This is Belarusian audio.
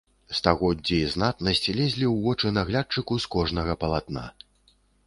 Стагоддзі і знатнасць лезлі ў вочы наглядчыку з кожнага палатна.